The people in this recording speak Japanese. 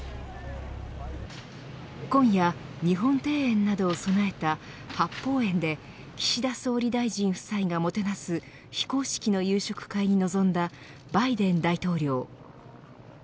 今夜、日本庭園などを備えた八芳園で岸田総理夫妻がもてなす非公式の夕食会に臨んだバイデン大統領。